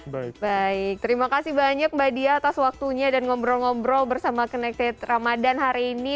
baik terima kasih banyak mbak diya atas waktunya dan ngobrol ngobrol bersama kinected ramadhan hari ini